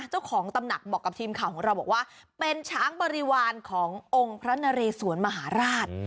เจ้าของตำหนักบอกกับทีมข่าวของเราบอกว่าเป็นช้างบริวารขององค์พระนเรสวนมหาราช